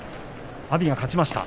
阿炎が勝ちました。